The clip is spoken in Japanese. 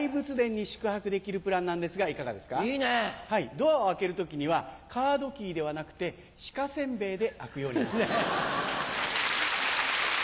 ドアを開ける時にはカードキーではなくて鹿せんべいで開くようになってます。